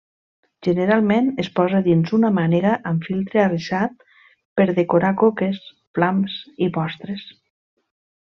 Generalment es posa dins una mànega amb filtre arrissat per decorar coques, flams i postres.